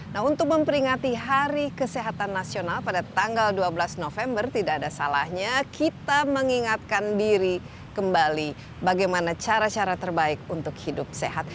nah untuk memperingati hari kesehatan nasional pada tanggal dua belas november tidak ada salahnya kita mengingatkan diri kembali bagaimana cara cara terbaik untuk hidup sehat